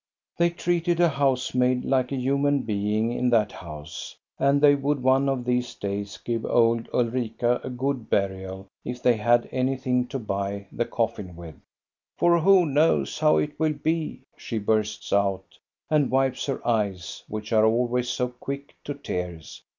They treated a house maid like a human being in that house, and they would one of these days give old Ulrika a good burial if they had anything to buy the cofBn with. " For who knows how it will be ?" she bursts out, and wipes her eyes, which are always so quick to tears.